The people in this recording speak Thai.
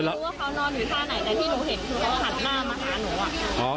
รู้ว่าเขานอนอยู่ท่าไหนแต่ที่หนูเห็นคือเขาหันหน้ามาหาหนูอ่ะ